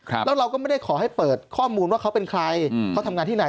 แล้วเราก็ไม่ได้ขอให้เปิดข้อมูลว่าเขาเป็นใครอืมเขาทำงานที่ไหน